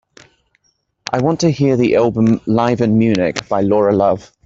I want to hear the album Live In Munich by Laura Love.